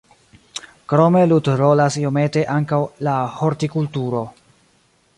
Krome ludrolas iomete ankaŭ la hortikulturo.